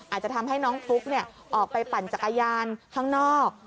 อาจจะทำให้น้องฟลุ๊กออกไปปั่นจักรยานข้างนอก